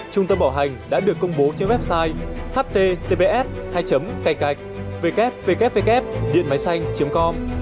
trung tâm bảo hành đã được công bố trên website ht tbs hai kc vkvkvk điệnmáysanh com